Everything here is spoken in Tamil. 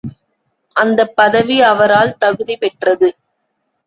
அந்தப் பதவி அவரால் தகுதி பெற்றது.